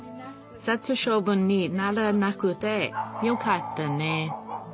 殺処分にならなくてよかったね。